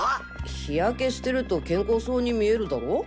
日焼けしてると健康そうに見えるだろ？